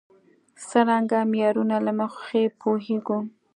څرنګه معیارونو له مخې وپوهېږو.